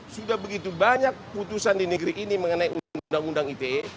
sudah begitu banyak putusan di negeri ini mengenai undang undang ite